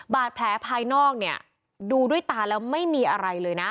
บาดแผลภายนอกเนี่ยดูด้วยตาแล้วไม่มีอะไรเลยนะ